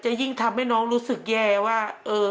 ยิ่งทำให้น้องรู้สึกแย่ว่า